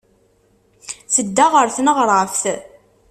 Tedda ɣer tneɣraft.